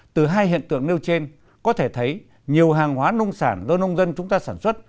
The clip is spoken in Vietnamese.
từ hai hiện tượng nêu trên có thể thấy nhiều hàng hóa nông sản do nông dân chúng ta sản xuất